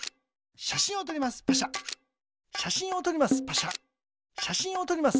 しゃしんをとります。